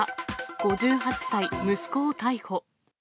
５８歳息子を逮捕。